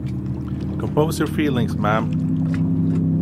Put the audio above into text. Compose your feelings, ma’am.